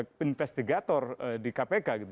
terhadap seorang investigator di kpk gitu